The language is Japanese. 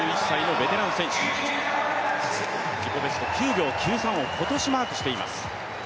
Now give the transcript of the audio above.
自己ベスト９秒９３を今年マークしています。